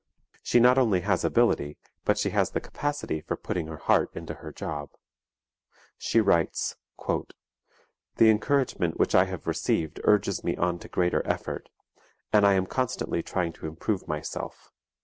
She not only has ability, but she has the capacity for putting her heart into her job. She writes: "The encouragement which I have received urges me on to greater effort; and I am constantly trying to improve myself.